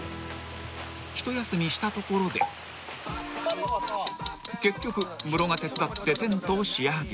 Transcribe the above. ［一休みしたところで結局ムロが手伝ってテントを仕上げ］